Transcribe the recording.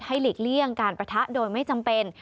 หลีกเลี่ยงการประทะโดยไม่จำเป็น